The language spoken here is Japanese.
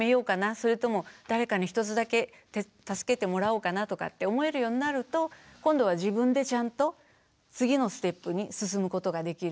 それとも誰かに１つだけ助けてもらおうかなとかって思えるようになると今度は自分でちゃんと次のステップに進むことができる。